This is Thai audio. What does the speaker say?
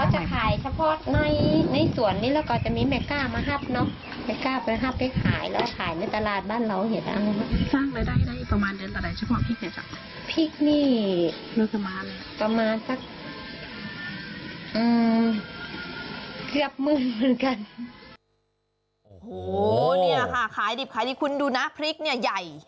โอ้โหเนี่ยค่ะขายดิบขายดีคุณดูนะพริกเนี่ยใหญ่